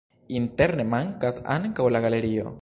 Interne mankas ankraŭ la galerio.